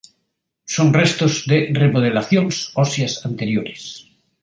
Son restos de remodelacións óseas anteriores.